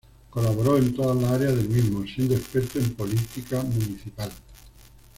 Colaboró en todas las áreas del mismo, siendo experto en Política Municipal.